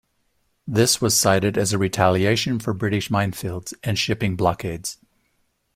This was cited as a retaliation for British minefields and shipping blockades.